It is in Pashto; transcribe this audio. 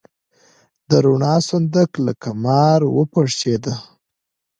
د رڼا صندوق لکه مار وپرشېده.